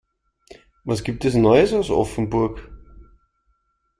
Was gibt es neues aus Offenburg?